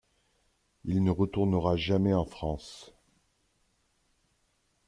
Il ne retournera jamais en France.